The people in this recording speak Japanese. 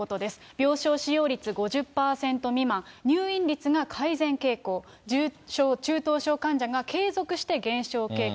病床使用率５０％未満、入院率が改善傾向、重症・中等症患者が継続して減少傾向。